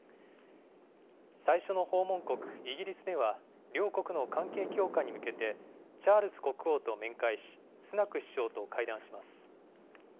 最初の訪問国、イギリスでは、両国の関係強化に向けて、チャールズ国王と面会し、スナク首相と会談します。